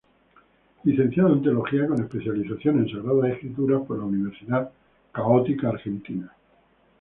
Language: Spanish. Licenciado en Teología con especialización en Sagradas Escrituras por la Universidad Católica Argentina.